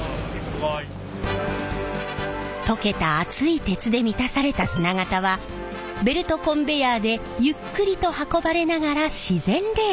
すごい。溶けた熱い鉄で満たされた砂型はベルトコンベヤーでゆっくりと運ばれながら自然冷却。